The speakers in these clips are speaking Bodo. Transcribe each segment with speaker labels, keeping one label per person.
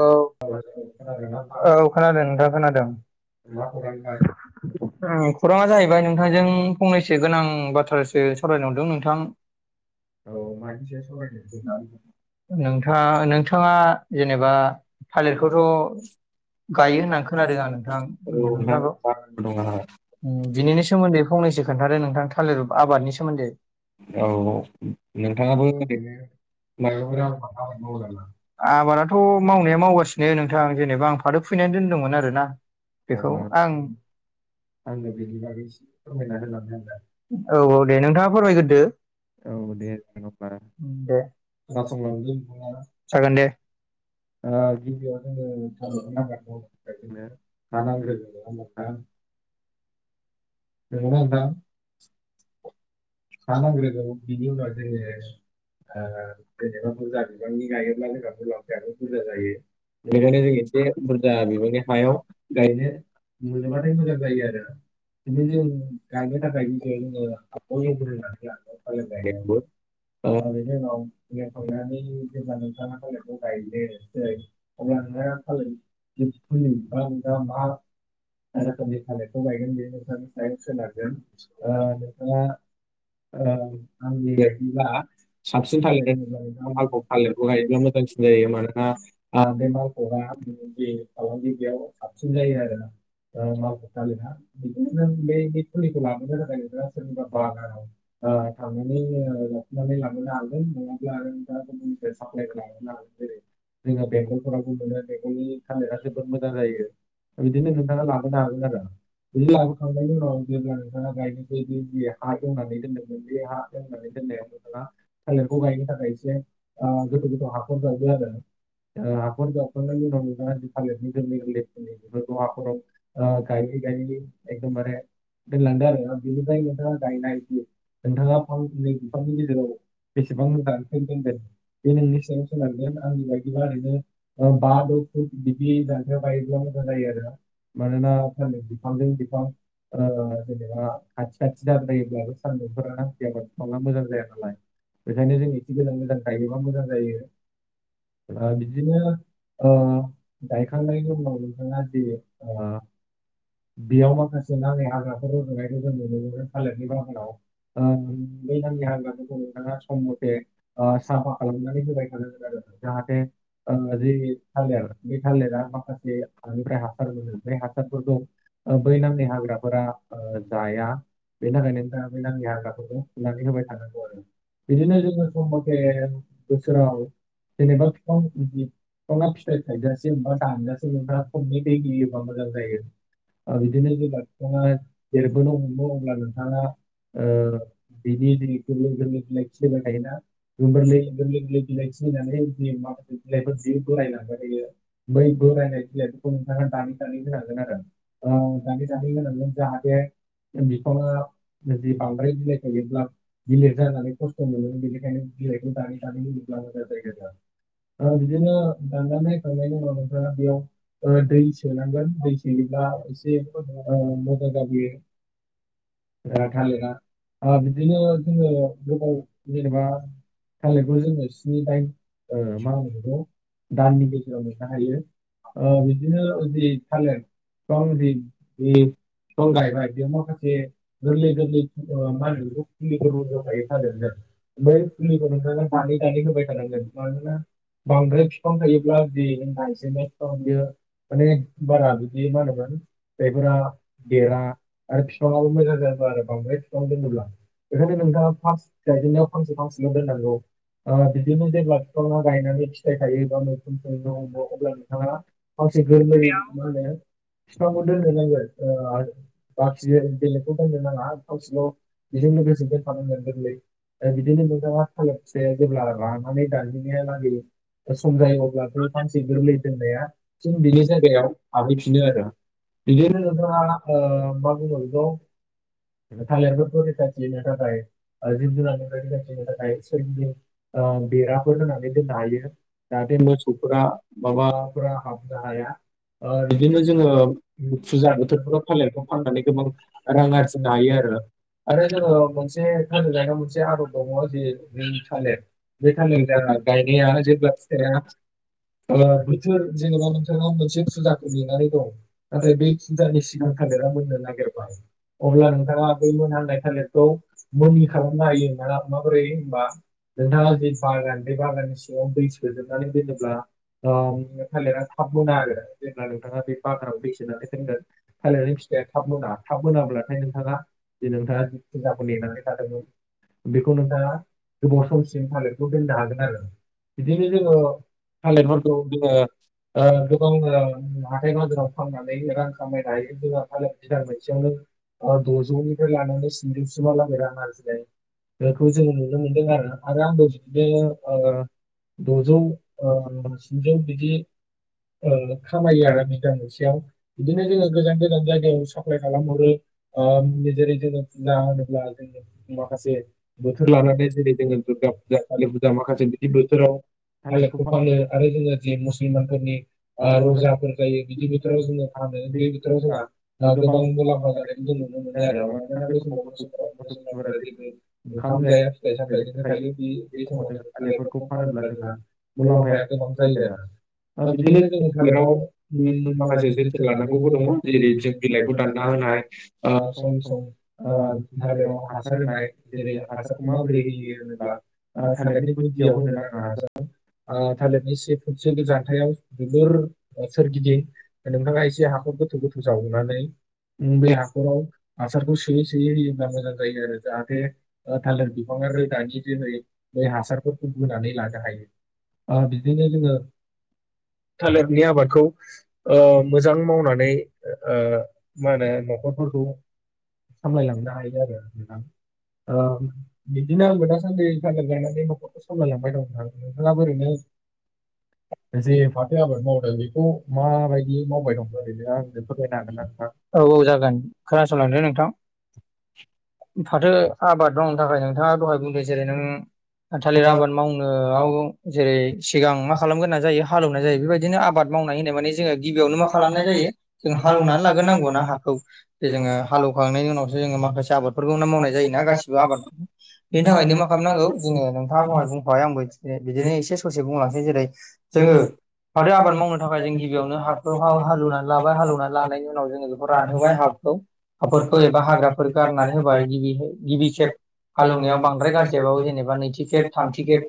Speaker 1: औ औ खोनादों नोंथां खोनादों खौराङा जाहैबाय नोंथांजों फंनै सो गोनां बाथ्रासो सावरायनो हरदों नोंथां नोंथाङा नोंथाङा जेनेबा थालिरखौथ' गायो होननानै खोनादों आं नोंथां नोंथांखौ बिनिनो सोमोन्दै फंनैसो खोन्थादो नोंथां थालिर आबादनि सोमोन्दै [unintelligible] आबादाथ' मावनाया मावगासिनो नोंथां जेनेबा आं फाथो खुबैनानै दोनदोंमोन आरो ना बेखौ आं आङो बिनि बागै एसे फोरमायनानै होलांनो औ औ दे नोंथाङा फोरमायग्रोदो दे जागोन दे [inaudible] [unintelligible] [unintelligible] हा नांग्रोगौ बिनि उनाव जोङो ओ जेनेबा बुरजा बिबांनि गायो [unintelligible] बुरजा जायो। बेनिखायनो बेखौ बुरजा बिनि हायाव गायनो बिदाबाथाय मोजां जायो आरो ओमफाय जों गायनो थाखाय जोङो [unintelligible] गायनांगौ बिनि उनाव [unintelligible] जेब्ला नोंथाङा थालिरखौ गायनोसै थालिर फुलि बा दा मा रोखोमनि थालिरखौ गायगोन बे नोंथांनि सायाव सोनारगोन ओ नोंथाङा ओ आंनि बायदिब्ला साबसिन थालिर होनोब्ला नोंथाङा मालफग थालिरखौ गायोब्ला मोजांसिन जायो मानोना बे मालफगा बेफार फालांगियाव साबसिन जायो आरो ओ मालफग थालिरा बे इन्दिखौ लाबोन थाखाय सजोङो सोरनिबा बाजानाव थांनानै लाफनानै लाबोनो हागोन नङाब्ला जों गाबोन सायाव सावरायना लाबोनो हागोन [unintelligible] जोङो बेंगलफोरा बुंदों बेंगलनि थालिर [unintelligible] जोबोद मोजां जायो। [unintelligible] लाबोनो होगोन आरो बिदि लाबो खांनायनि उनाव [unintelligible] नोंथाङा गायनो जै बे हा जोंनानै दोन्दोंमोन बे हा जोंनानै दोननाया नोंथाङा थालिरखौ गायनो थाखाय थाखाय एसे गोथौ गोथौ हाखर जावबाय आरो हाखर दावखांनायनि बां नोना आजि खालिनि गोरलै गोरलैफोरनि हौवाफोराव गाय गायनायनि [unintelligible] दोनानो जादों बेनिफ्राय नोंथाङा गायनाय जि नोंथाङा खाम नै बिफांनि गेजेराव बेसेबां दानखोन दोनदों बे ननि सायाव सोनारो [unintelligible] आंनि बायदिबा ओरैनो बा द' फुट बिदि जानथायाव बायोब्ला मोजां जायो आरोना मानोना फानो बिफांजों बिफां ओ जेनेबा खाथि खाथि दाब्रायोब्लाबो सान्दुंफोर ना जायगाफोरखौबो मोजां जाया नालाय बेखायनो जों एसे गोजान गोजान जायोब्रा मोजां जायो आरो बिदिनो औ गायखांनायनि उनाव नोंथाङा जे ओ बेयाव माखासे नाङै हाग्राफोर रनायखौ जों नुनो मोनो थालिरनि बागानाव दैज्लांनि हाग्राफोरखौ नोंथा सम मथे ओ साफा खालामनानै होबाय थागो जाहाथे ओ दै बे थालिरा माखासे मानिफ्राय हासार लोङो बे हासारफोरखौ बै नाङि हाग्राफोरा जाया बे नाङि हाग्राफोरखौ फुना दोनबाय थानांगौ आरो बिदिनो जोङो सम मथे दास्रायाव जेनेबा [unintelligible] ससिबा थांस नबा फनि गै गगा म जायो आरो बिदिनो जेब्ला बिफाङा देरगनो हमो अब्ला नोंथाङा बि गलि गलि गिला गलाय ना गल गलि गिला सिनानै जि माखासेलाइ जि बरायन ब थायो बै बायनाय गलायनाय नोंथाङा दानि स होनजागोन आरो दानि स होन जाहाथे बिफाङा जुदि बांद्राय बिलााय थायोब्ला गिलेिर जानानै खस्थ' मोनो। [unintelligible] दाननानै नायखांनायनि उनाव नोंथाङा बेयाव दै सोनांगोन। सैबा एसे [unintelligible] जायगा बेयो बि थालिरा बिदिनो जोङो गोबाव जेनेबा खालिबो जोङो स्नि दाइन मा होन द' दाननि गेजेरावनो हायो बिदिनोदि [unintelligible] [unintelligible] जि ओ गोरलै गोरलै मा बुङो बेखौ [unintelligible] बै फुलिखौ नोंनो दानै दानै होबाय थानांगोन मानोना बांद्राय बिफां थायो। गस खमयो मान बाराबोदि मान होनोमोन बेफोरा गेेरा आरो बिफाङाबो मोजां जौ आरो बांद्राय बिफाव दोनोब्ला बेखायनो नोंथाङा फार्स् गायेनाव फांसे फांसेलनो दोननांगौ। ओ बिदिनो जेब्ला बिफाङा गायनानै फिथाइ थायो एा मैगुन सोंनो हमो अब्ला नोंथाङा मसे गोरमिनिया मानो [unintelligible] बाख बेलेगखौ बायनो नाङा गावसिलाव बेजों लोगोसे दोनफानांगोन गोरलै [unintelligible] जे जेब्ला लांनानै दानहनाया लाै सम जायो अब्ला बे सानसे गोरलै दोननाया जों बिनि जायगायाव [unintelligible] बिदिनो नोंथाङा ओ मा बुङो बेखौ? [unintelligible] बेराफोर होननानै दोननो हायो दा जों मोसौफोरा माबाफोरा हाबनो हायो। आरिया ओ बिदिनो जोङो फुजा बोथोरफोरखौ फालिनायफोराव फाननानै गोबां रां आरजिना दोननो हायो आरो। आरो जोङो मोनसे थालिर गायनाय मोनसे आदब दङ जि थालिर बे थालिर जा गायनायाहाय जेब्ला फिथाइया ओ बोथोर जेनेबा नोंथाङा मोनसे फुजाखौ नेनानै दं नाथाय बै फुजानि सिगां थालेरा मोननो नागेरबाय अब्ला नोंथाङा बै मोनहांनाय थांलिरखौ मोनि खालामनो हायो माबोरै होनबा नोंथाङा जे बागान बे बागाननि सिङाव दै सोजोबनानै दोनोब्ला ओ थालिरा थाब मोना आरो जेब्ला नोंथाङा बे बागानाव दै सोनानै दोनगोन थालेरनि फिथाइया थाब मोना थाब मोनाब्लाथाय नोंथाङा नोंथाङा जि फुजाखौ नेनायनि थाखायनो बेखौ नोंथाङा गोबाव समसिम थालिरखौ दोननो हागोन आरो। बिदिनो जोङो थालिरफोरखौ जोङो ओ गोबां ओ हाथाय बाजाराव फाननानै खामायनो हायो जोंना थालेर बिदां मोनसेयावनो ओ द'जौनिफ्राय लानानै स्निजौसिमहालागै रां आरजिनाय
Speaker 2: बेखौ जों
Speaker 1: नुनो मोनदों आरो आरो आंबो दिनैनि बे ओ दजौ ओ स्निजौ बिदि ओ खामायो आरो बिदां मोनसेयाव बिदिनो जोङो गोजान गोजान जायगायाव साप्लाय खालामहरो ओ जेरै जोङो फुजा होनोब्ला जोङो माखासे बोथोर लानानै जेरै जोङो दुर्गा फुजा कालि फुजा माखासे बिदि बोथोराव थालेरखौ फानो आरो जोङो जे मुसलमानफोरनि ओ रजाफोर जायो बिदि बोथोराव जोङो फानो बे बोथोराव जोंहा गोबां ओ मुलाम्फा जानायखौ नुनो मोनो आरो मानोना बे समाव मुसल मुसलमानफोरा जिहेतु ओंखाम जाया। फिथाइ सामथायजोंनो थायो बे बे समाव जोङो थालिरफोरखौ फानोब्ला जोंहा मुलाम्फाया गोबां जायो आरो।
Speaker 2: ओ बिदिनो
Speaker 1: जोंनि थालेराव उम माखासे जोथोन लानांगौबो दङ जेरै जों बिलाइखौ दानना होनाय। ओ सम सम ओ थालेराव हासार होनाय जेरै हासार- खौ माबोरै होयो होनोब्ला ओ थालेरनि गुदियाव होनो नाङा हासारखौ। ओ थालेरनि से फुतसो गो जानथायाव। जोबोर सोरगिदिं नोंथाङा एसे हाखर गोथौ गोथौ जावनानै उम बे हाखराव हासारखौ सोयै सोयै होयोब्ला मोजां जायो आरो जाहाथे ओ। थालिर बिफाङा रोदानि जोनै बै हासारफोरखौ बोनानै लानो हायो। ओ बिदिनो जोङो। थालिरनि आबादखौ ओ मोजां मावनानै ओ मा होनो नखर फोरखौ सामायलांनो हायो आरो नोंथां ओ। बिदिनो आंबो दासान्दि थालेर गायनानै न'खरखौ सामलांयलांबाय दं नोंथां नोंथाङाबो ओरैनो। जे आबाद मावदों बेखौ माबायदि मावबाय दं ओरैनो आंनो फोरमायनो हागोन ना नोंथां औ औ जागोन। खोनासंलांदो नोंथां। फाथो आबाद मावनो थाखाय नोंथाङा दहाय बुंदो जेरै नों। थालिर आबाद मावनो आव जेरै सिगां मा खालामगोरनाय जायो। हालौवनाय जायो बेबायदिनो आबाद मावनाय होननाय माने। जोङो गिबियावनो मा खालामनाय जायो जों हालौवनानै लागोरनांगौ ना हाखौ जे जोङो हालौखांनायनि उनावसो। जोङो माखासे आबादफोरखौनो मावनाय जायोना गासि बो आबाद बेनि थाखायनो मा खामनांगौ जोङो नोंथाङा दहाय बुंखाबाय आंबो बिदिनो एसे ससे बुंलांनोसै। जेरै जोङो फाथो आबाद मावनो थाखाय जों गिबियावनो। हाखौ हा हालौनानै लाबाय हालौवनानै लानायनि उनाव जोङो बेखौ रानहोबाय हाखौ। हाफोरखौ एबा हाग्राफोर गारनानै होबाय गिबि गिबि। खेब हालेवनायाव बांद्राय गारजायाबाबो जेनेबा नैथि खेब थामथि खेब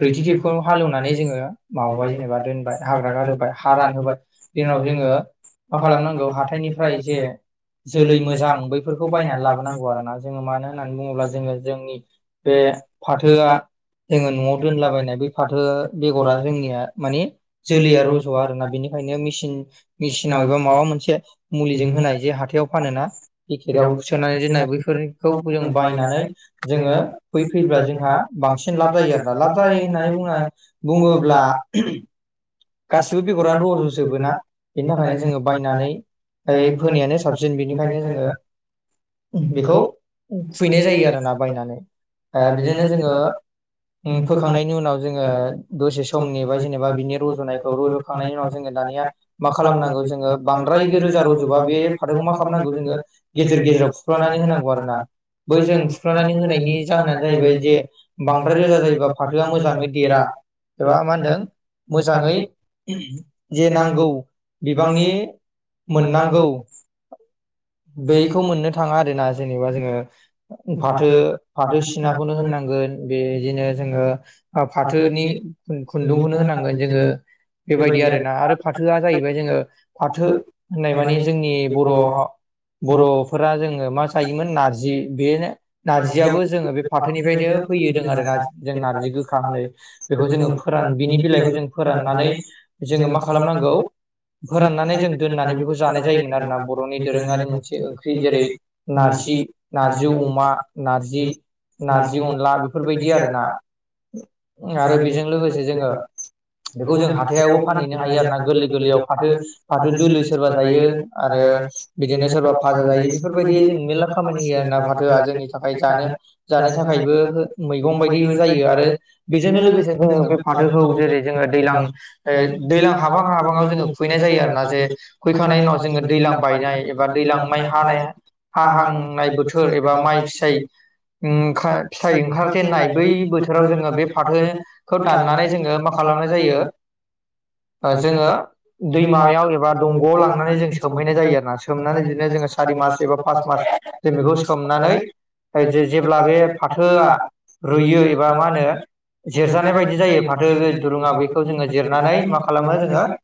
Speaker 1: ब्रैथि खेबखौ हालेवनानै जोङो माबाबाय जेनेबा दोनबाय हाग्रा गारोबाय हा। हा रान होबाय दिनाव जोङो मा खालामनांगौ हाथायनिफ्राय जे। जोलै मोजां बैफोरखौ बायनानै लाबोनांगौ आरोना जोङो मानो होननानै न बुङोब्ला जोङो जोंनि बे फाथोआ। जोङो न'आव दोनलाबायनाय बे फाथो बेगरा जोंनिया मानि जोलैया रज'आ आरो ना बेनिखायनो मिसिन मेसिनाव एबा माबा मोनसे मुलिजों होनाय जे हाथायाव फानो ना पेकेटाव सोननानै दोननाय बै फोरखौ। जों बायनानै जोङो फोफैब्ला जोंहा बांसिन लाब जायो आरोना लाब जायो होननानै बुङो बुङोब्ला गासिबो बेगरानो रज'जोोबोोना बेनि थाखायनो जोङो बायनानै। है फोनायानो साबसिन बेनिखायनो जोङो। बेखौ खुबैनाय जायो आरोोना बायनानै बिदिनो जोङो फोखांनायनि उनाव जोङो दसे समनि बा जेनेबा बिनि। रजनाय रजखांनायनि उनाव जोङो दानिया मा खालामनांगौ जोङो बांद्राय रोजा रुजुबबा फाथोखौ। मा खालामनांगौ जोङो गेजेर गेजेराव फुख्लनानै होनांगौ आरोना। बै जों सुफ्ल'नानै होनायनि जाहोनानो जाहैबाय जे बांद्राय रोजा जायोबा फाथोआ मोजाङै देरा एबा मा होनदों। मोजाङै जे नांगौ बिबांनि मोननांगौ बैखौ मोननो थाङा आरोना जेनेबा जोङो। फाथो फाथो सिनाखौनो होननांगोन बेदिनो जोङो फाथोनि खुन्दुं होननो होनांगोन जोङो। बेबायदि आरोोना आरो फाथोआ जाहैबाय जोङो फाथो होननाय माने जोंनि बर'हा। बर'फोरा जोङो मा जायोमोन नारजि बे नारजियाबो जोङो बे फाथोनिफ्रायनो फैयोदों आरो जों नारजि गोखा होनै बेखौ जोङो फोरान बिनि बिलाइखौ जों फोराननानै जोङो मा खालामनांगौ फोराननानै जों दोननानै बेखौ जानाय जायोमोन आरोना बर'नि दोरोङारि मोनसे ओंख्रि जेरै नार जि नारजि अमा नारजि नारजि अनला बेफोरबायदि आरो ना। आरो बेजों लोगोसे जोङो बेखौ जों हाथायावबो फानहैनो हायो आरो ना गोरलै गोरलैयाव फाथो फाथो दोलो सोरबा जायो आरो बिदिनो सोरबा भाजा जायो बेफोरबायदि जों मेरला खामानि होयो फाथोआ जों नि थाखाय जानो जानो थाखायबो मैगं बायदि जायो आरो बेजोंनो लोगोसे जोङो बे फाथोखौ जेरै जोङो दैलां ओ दैलां हाबहां हाबहाङाव जोङो खुयनाय जायो आरोना जे खुयखांनायनि उनाव जे दै लां बायनाय एबा दैलां हानाय हाहांनाय बोथोर एबा माइ
Speaker 2: [unintelligible] ओं ओंखारजेननाय बै बोथोराव जोङो बे फाथोखौ दाननानै जोङो खालामनाय जायो। ओ जोङो दैमाबा दंगआव लांनानै दै सोमहैनाय जायो सोमनानै बेखो सारि मास एबा फास मास जों बेखौ सोमनानै जेब्ला बे फाथोआ रुयो एबा मा होनो जेरजानायय बायदि जायो माने जेरै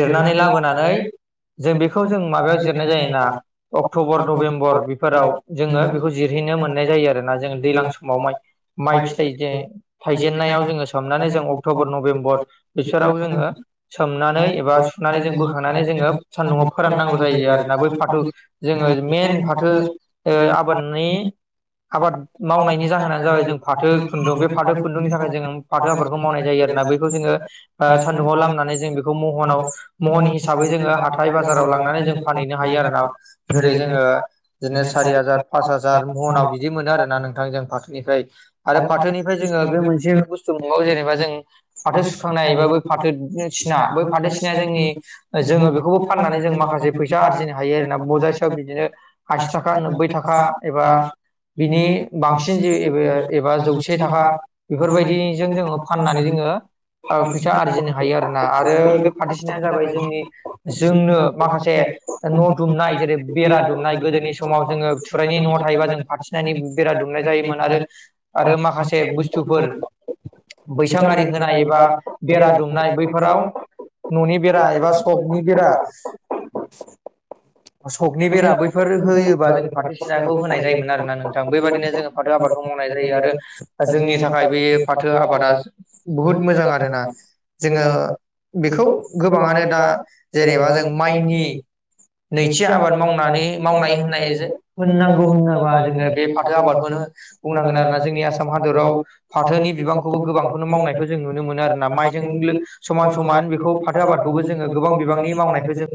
Speaker 2: [unintelligible] जिरनानै लाबोनानै [unintelligible]
Speaker 1: फोराव जोङो बेखौ जिरहैनो मोननाय जायो आरोना जों दैज्लां समाव माइ फिथाइ जे थाइजेननायाव जोङो सोमनानै जों अक्ट'बर नभेम्बर बिसोराव जोङो सोमनानै एबा सुनानै जों बोखांनानै जोङो सान्दुंआव फोराननांगौ जायो आरोना बै फाथो जों जोङो मइेन फाथो ओ आबादनि आबाद मावनायनि जाहोनानो जाबाय जों फाथो खुन्दुं बे फाथो खुन्दुंनि थाखाय जों फाथो आबादफोरखौ मावनाय जायो आरोना बैखौ जोङो सान्दुङाव लामनानै जों बेखौ महनाव महन हिसाबै जोङो हाथाय बाजाराव लांनानै जों फानहैनो हायो आरो ना जेरै जोङो बिदिनो सारि हाजार पास हाजार मनाव बिदि मोनो आरोना नोंथां जों फाथोनिफ्राय। आरो फाथोनिफ्राय जोङो बे मोनसे बुस सुबुंनाव जेनेबा जों फाथो सुखांनाय एबा बै फाथो सिना बै फाथो सिनाया जोंनि जोङो बेखौबो फाननानै जों माखासे फैसा आरजिनो हायो आरोना बजासेयाव बिदिनो आसि थाखा नोब्बै थाखा एबा बिनि बांसिन एबा जौसे थाखा बेफोरबायदि जोङो फाननानै जोङो ओ फैसा आरजिनो हायो आरोना आरो बे फारथिसनाया जाबाय जोंनि जोंनो माखासे न' दुमनाय जेरै बेरा दुमनाय गोदोनि समाव जोङो थुरायनि न'वाव थायोबा जों फाथिसिनानि बेरा दुमनाय जायोमोन आरो आरो माखासे बुस्थुफोर बैसां आरि होनाय एबा बेरा दुमनाय बैफोराव न'नि बेरा एबा सकनि बेरा
Speaker 2: [unintelligible] [unintelligible] नाय जायो आरो दा जोंनि थाखाय बे फाथो आबादा बहुत मोजां आरो ना जोङो बेखौ गोबाङानो दा जेनेबा माइनि नैथि आबाद मावनानै मावनानै होननाय होननांगौ होनोबा जोङो बे फाथो आबादखौनो [unintelligible] फाथोनि बिबांखौबो गोबांखौनो मावनायखौ नुयो आरो ना समान समान फाथो आबादखौ गोबां बिबांनि मावनायखौ जों